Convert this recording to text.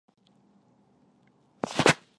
曾执教祖云达斯青年队及法甲阿雅克肖。